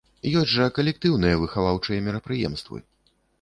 Ёсць жа калектыўныя выхаваўчыя мерапрыемствы.